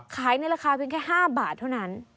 ขายในราคาเป็นแค่๕บาทเท่านั้น